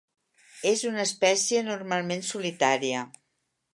És una espècie normalment solitària.